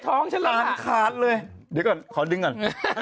ฉลามขาดเลยเดี๋ยวก่อนขอดึงก่อน